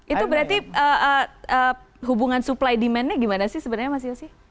itu berarti hubungan supply demandnya gimana sih sebenarnya mas yosi